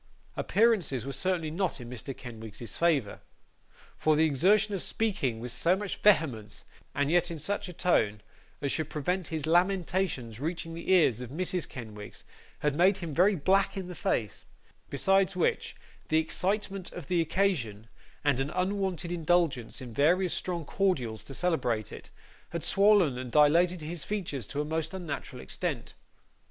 Appearances were certainly not in Mr. Kenwigs's favour, for the exertion of speaking with so much vehemence, and yet in such a tone as should prevent his lamentations reaching the ears of Mrs. Kenwigs, had made him very black in the face; besides which, the excitement of the occasion, and an unwonted indulgence in various strong cordials to celebrate it, had swollen and dilated his features to a most unusual extent.